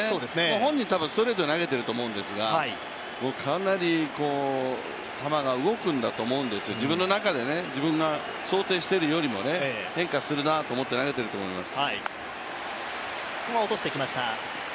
本人、多分、ストレートで投げてると思うんですがかなり球が動くんだと思うんですよ、自分の中で、自分が想定してるよりも変化するなと思って投げてると思います。